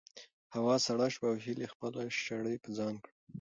هوا سړه شوه او هیلې خپله شړۍ په ځان کړه.